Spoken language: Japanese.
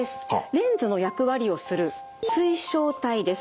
レンズの役割をする水晶体です。